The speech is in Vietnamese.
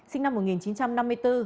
sinh năm một nghìn chín trăm năm mươi bốn